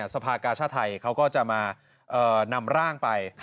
สภากาชาติไทยเขาก็จะมานำร่างไป